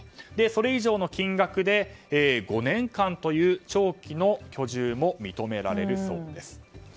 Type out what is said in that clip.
それ以上の金額で５年間という長期の居住も認められるそうです。